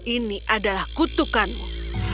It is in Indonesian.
ini adalah kutukanmu